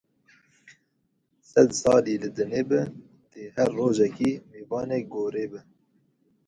Sed salî li dinê bî, dê her rojekê mêvanê gorrê bî